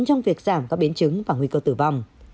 trong việc giảm các biến chứng và nguy cơ tử vong